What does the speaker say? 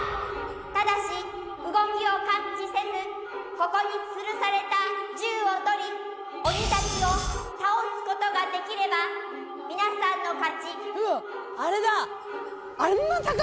ただし動きを感知せず、ここにつるされた銃を取り、鬼たちを倒すことができれば皆さんの勝ち。